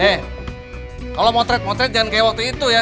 eh kalau motret motret jangan kayak waktu itu ya